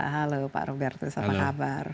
halo pak robertus apa kabar